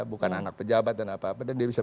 bukan anak pejabat dan apa apa